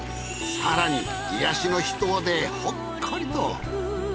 更に癒やしの秘湯でほっこりと。